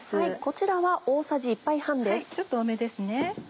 ちょっと多めですね。